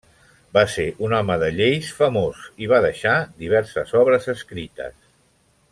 Va ser un home de lleis famós i va deixar diverses obres escrites.